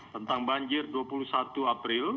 tentang banjir dua puluh satu april